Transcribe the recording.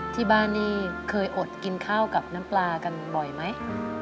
ที่บ้านนี้เคยอดกินข้าวกับน้ำปลากันบ่อยไหม